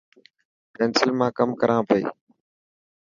پينسل مان ڪم ڪران پئي.